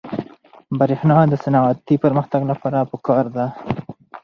برېښنا د صنعتي پرمختګ لپاره پکار ده.